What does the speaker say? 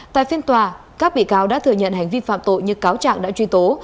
tại phiên tòa các bị cáo đã thừa nhận hành vi phạm tội như cáo trạng đã truy tố